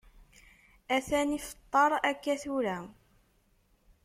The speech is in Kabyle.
Atan ifeṭṭer akka tura.